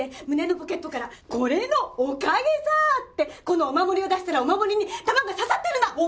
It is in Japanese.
胸のポケットから「これのおかげさ！」ってこのお守りを出したらお守りに弾が刺さってるの！